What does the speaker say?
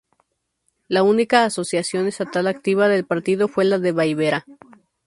La única asociación estatal activa del partido fue la de Baviera.